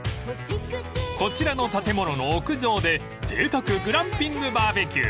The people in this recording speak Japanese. ［こちらの建物の屋上でぜいたくグランピングバーベキュー］